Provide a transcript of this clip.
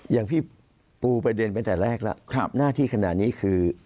อย่างพี่ปูประเด็นไปแต่แรกแล้วหน้าที่ขนาดนี้คือ